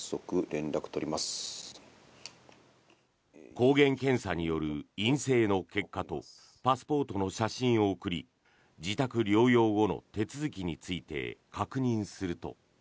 抗原検査による陰性の結果とパスポートの写真を送り自宅療養後の手続きについて確認すると。